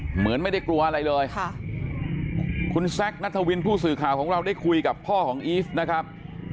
เหมือนไม่ได้กลัวอะไรเลยค่ะคุณแซคนัทวินผู้สื่อข่าวของเราได้คุยกับพ่อของอีฟนะครับ